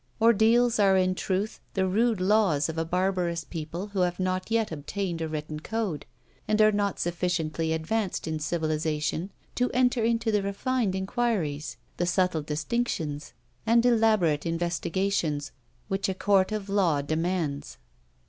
Ordeals are in truth the rude laws of a barbarous people who have not yet obtained a written code, and are not sufficiently advanced in civilization to enter into the refined inquiries, the subtile distinctions, and elaborate investigations, which a court of law demands.